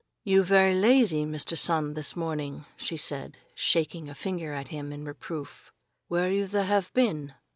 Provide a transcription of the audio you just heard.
"You ve'y lazy, Mister Sun, this morning," she said, shaking a finger at him in reproof; "where you the have been?